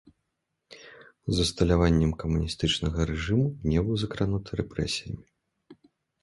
З усталяваннем камуністычнага рэжыму не быў закрануты рэпрэсіямі.